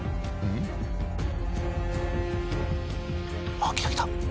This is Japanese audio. あっ来た来た。